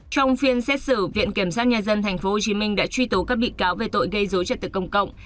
trong phiên xét xử viện kiểm soát nhà dân tp hcm đã truy tố các bị cáo về tội gây dối trật tực công cộng